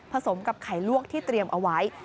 สมกับไข่ลวกที่เตรียมเอาไว้